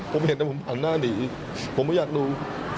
ผมเห็นแต่ผมหันหน้าหนีผมไม่อยากดู